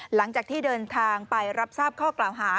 หลังจากที่เดินทางไปรับทราบข้อกล่าวหา